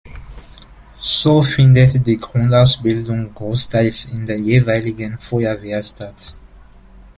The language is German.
So findet die Grundausbildung großteils in der jeweiligen Feuerwehr statt.